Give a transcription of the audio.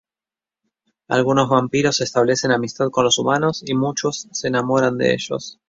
Algunos vampiros establecen amistad con los humanos y muchas se enamoran de ellos.